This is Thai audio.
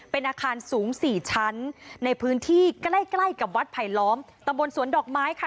เป็นอาคารสูงสี่ชั้นในพื้นที่ใกล้ใกล้กับวัดไผลล้อมตำบลสวนดอกไม้ค่ะ